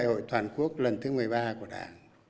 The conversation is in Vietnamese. đại hội toàn quốc lần thứ một mươi ba của đảng